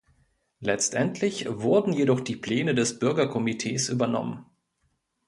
Letztendlich wurden jedoch die Pläne des Bürgerkomitees übernommen.